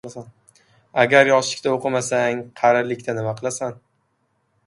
• Agar yoshlikda o‘qimasang, qarilikda nima qilasan?